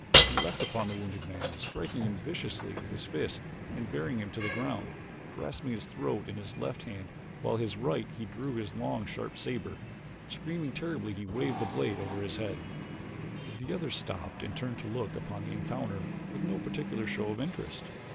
He leaped upon the wounded man, striking him viciously with his fists and, bearing him to the ground, grasped his throat in his left hand while with his right he drew his long sharp saber. Screaming terribly he waved the blade above his head. The others stopped and turned to look upon the encounter with no particular show of interest.